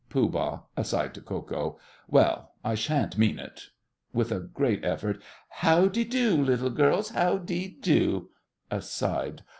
POOH. (aside to Ko Ko). Well, I shan't mean it. (with a great effort.) How de do, little girls, how de do? (Aside.)